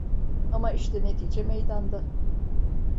Ama, işte netice meydanda.